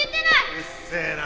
うるせえな。